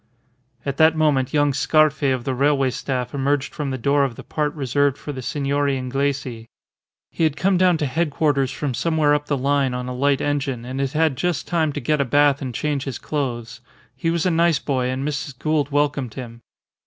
At that moment young Scarfe of the railway staff emerged from the door of the part reserved for the Signori Inglesi. He had come down to headquarters from somewhere up the line on a light engine, and had had just time to get a bath and change his clothes. He was a nice boy, and Mrs. Gould welcomed him.